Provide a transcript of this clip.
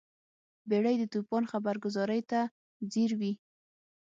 بیړۍ د توپان خبرګذارۍ ته ځیر وي.